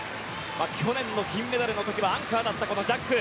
去年の金メダルの時はアンカーだったジャック。